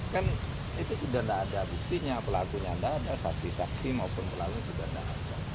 kan itu sudah tidak ada buktinya pelakunya tidak ada saksi saksi maupun pelaku juga tidak ada